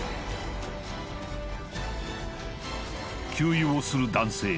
給油をする男性